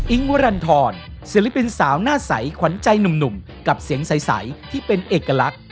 วรรณฑรศิลปินสาวหน้าใสขวัญใจหนุ่มกับเสียงใสที่เป็นเอกลักษณ์